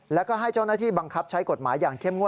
แล้วก็ให้เจ้าหน้าที่บังคับใช้กฎหมายอย่างเข้มงวด